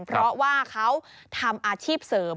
เพราะว่าเขาทำอาชีพเสริม